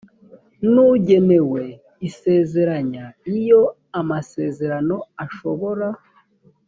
n ugenewe isezeranya iyo amasezerano ashobora